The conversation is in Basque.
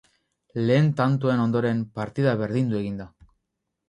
Lehen tantoen ondoren, partida berdindu egin da.